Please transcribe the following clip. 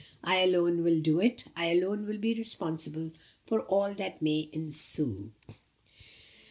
I alone will do it. I alone will be responsible for all that may ensue."